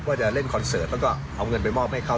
ว่าจะเล่นคอนเสิร์ตแล้วก็เอาเงินไปมอบให้เขา